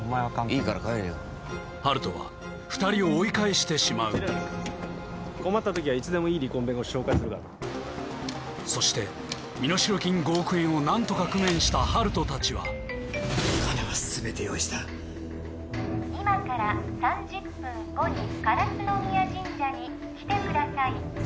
いいから帰れよ温人は２人を追い返してしまう困った時はいつでもいい離婚弁護士紹介するからそして身代金５億円を何とか工面した温人たちは金はすべて用意した今から３０分後に烏ノ宮神社に来てください